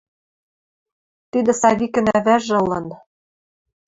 Тидӹ Савикӹн ӓвӓжӹ ылын.